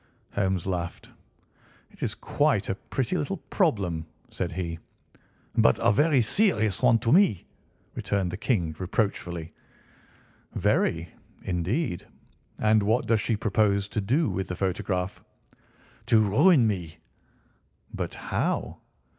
Holmes laughed. "It is quite a pretty little problem," said he. "But a very serious one to me," returned the King reproachfully. "Very, indeed. And what does she propose to do with the photograph?" "To ruin me." "But how?"